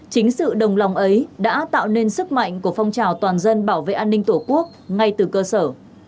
chính sự đồng lòng ấy đã tạo nên sức mạnh của phong trào toàn dân bảo vệ an ninh tổ quốc ngay từ cơ sở